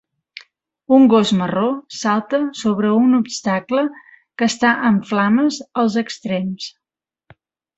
Un gos marró salta sobre un obstacle que està en flames als extrems